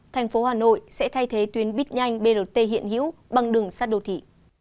thành phố hà nội sẽ thay thế tuyến bít nhanh brt hiện hữu bằng đường sát đô thị